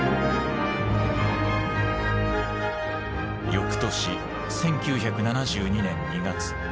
翌年１９７２年２月。